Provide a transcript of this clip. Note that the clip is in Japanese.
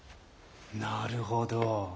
なるほど。